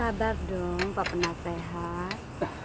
sabar dong pak penasehat